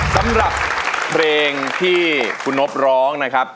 สำหรับเพลงที่คุณนบร้องนะครับ